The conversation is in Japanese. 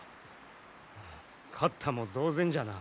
勝ったも同然じゃな。